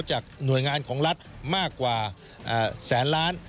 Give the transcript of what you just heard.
จากหน่วยงานของรัฐมากกว่าแสนล้าน